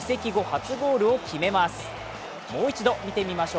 初ゴールを決めます。